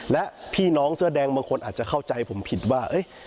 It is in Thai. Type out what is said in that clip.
และพี่น้องเสื้อแดงบางคนอาจจะเข้าใจผมผิดว่า